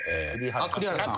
栗原さん。